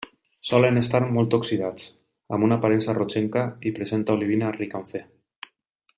Solen estar molt oxidats, amb una aparença rogenca, i presenta olivina rica en Fe.